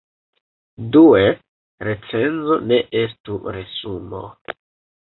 Due, recenzo ne estu resumo.